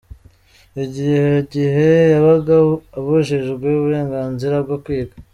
Icyo gihe yabaga abujijwe uburenganzira bwo kwiga.